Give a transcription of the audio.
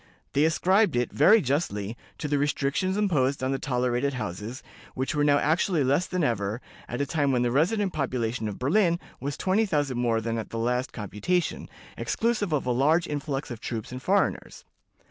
They ascribed it, very justly, to the restrictions imposed on the tolerated houses, which were now actually less than ever, at a time when the resident population of Berlin was twenty thousand more than at the last computation, exclusive of a large influx of troops and foreigners.